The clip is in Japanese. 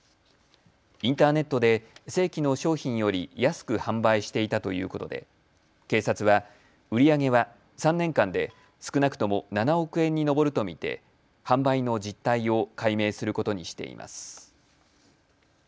インターネットで正規の商品より安く販売していたということで警察は売り上げは３年間で少なくとも７億円に上ると見て販売の実態を解明することにしています。